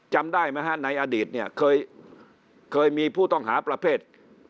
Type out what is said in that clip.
จำได้ไหมฮะในอดีตเนี่ยเคยมีผู้ต้องหาประเภท